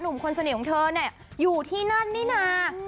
หนุ่มคนเสน่ห์อยู่ที่นั่นนี่นา